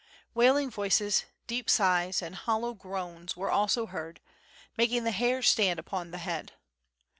Wailing voices, deep sighs, and hollow groans were ako heard, making the hair stand up on the head.